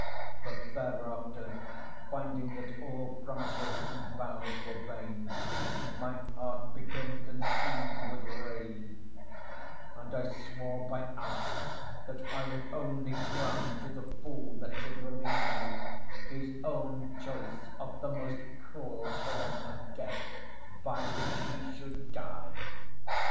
But thereafter finding that all promises and vows were vain, my heart became consumed with rage, and I swore by Allah that I would only grant to the fool that should release me his own choice of the most cruel form of death by which he should die.